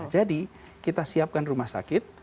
jadi kita siapkan rumah sakit